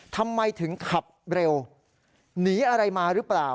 ทำไมถึงขับเร็วหนีอะไรมาหรือเปล่า